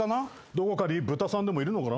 どこかに豚さんでもいるのかな？